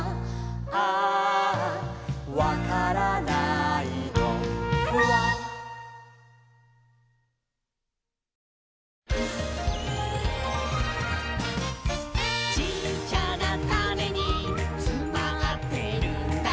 「アアわからないのフワ」「ちっちゃなタネにつまってるんだ」